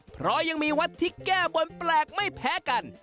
เพราะยังมีวัดที่แก้บนแปลกไม่แพ้กัน